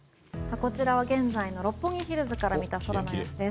こちらは現在の六本木ヒルズから見た空の様子です。